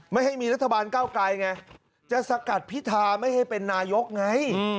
ไม่ให้มีรัฐบาลเก้าไกลไงจะสกัดพิธาไม่ให้เป็นนายกไง